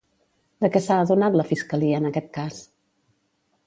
De què s'ha adonat la fiscalia en aquest cas?